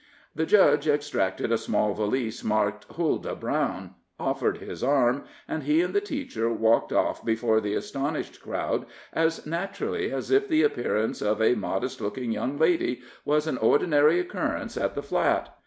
The judge extracted a small valise marked "Huldah Brown," offered his arm, and he and the teacher walked off before the astonished crowd as naturally as if the appearance of a modest looking young lady was an ordinary occurrence at the Flat.